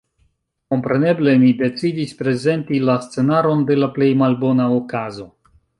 Kompreneble, mi decidis prezenti la scenaron de la plej malbona okazo.